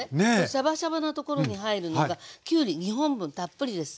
シャバシャバなところに入るのがきゅうり２本分たっぷりです。